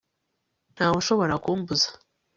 ntawe ushobora kumbuza